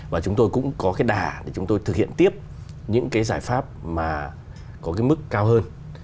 và chúng tôi cũng có cái đà để chúng tôi thực hiện tiếp những cái giải pháp mà có cái mức cao hơn